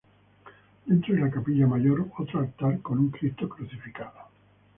Dentro de la capilla mayor otro altar con un Cristo Crucificado.